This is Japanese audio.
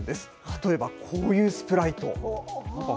例えばこういうスプライト。